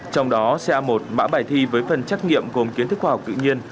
trong đó ca một mã bài thi với phần trắc nghiệm gồm kiến thức khoa học tự nhiên